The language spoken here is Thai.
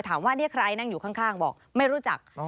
ถามว่านี่ใครนั่งอยู่ข้างบอกไม่รู้จัก